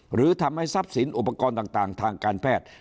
หรือทำให้ทรัพย์สินอุปกรณ์ต่างทางการแพทย์